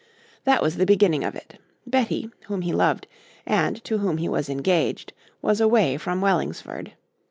That was the beginning of it. Betty, whom he loved, and to whom he was engaged, was away from Wellingsford.